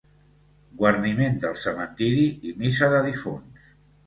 Guarniment del cementiri i missa de difunts.